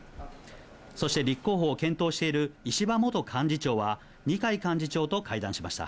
そして立候補を検討している石破元幹事長は、二階幹事長と会談しました。